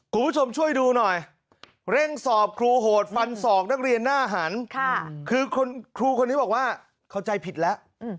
คุณผู้ชมช่วยดูหน่อยเร่งสอบครูโหดฟันศอกนักเรียนหน้าหันคือครูคนนี้บอกว่าเข้าใจผิดแล้ว